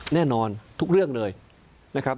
แน่นอนทุกเรื่องเลยนะครับ